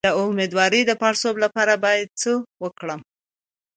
د امیدوارۍ د پړسوب لپاره باید څه وکړم؟